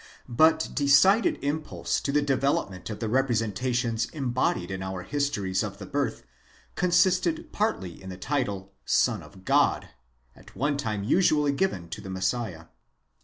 But decided impulse to the development of the representations embodied in our histories of the birth, consisted partly in the title, Sox of God, at one time usually given to the Messiah.